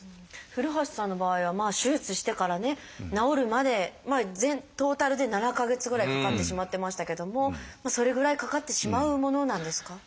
古橋さんの場合は手術してからね治るまでトータルで７か月ぐらいかかってしまってましたけどもそれぐらいかかってしまうものなんですか？